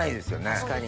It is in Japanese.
確かに。